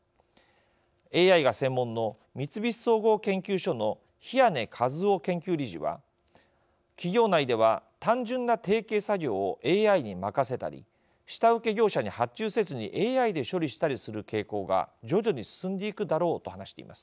ＡＩが専門の三菱総合研究所の比屋根一雄研究理事は企業内では単純な定型作業をＡＩに任せたり下請け業者に発注せずにＡＩで処理したりする傾向が徐々に進んでいくだろうと話しています。